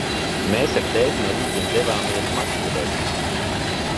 Mēs ar tēti no rītiem devāmies makšķerēt.